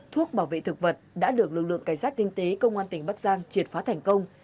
thuốc bảo vệ thực vật đã được lực lượng cảnh sát kinh tế công an tỉnh bắc giang triệt phá thành công